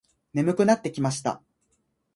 眠くなってきました。